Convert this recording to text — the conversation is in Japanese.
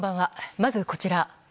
まず、こちら。